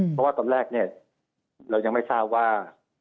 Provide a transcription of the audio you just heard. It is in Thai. เพราะว่าตอนแรกเนี่ยเรายังไม่ทราบว่า